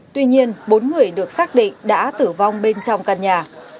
tuy nhiên bốn người được xác định đã tử vong bên trong căn nhà